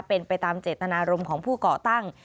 เป็นไปตามเจตนารมณ์ของผู้ก่อตั้ง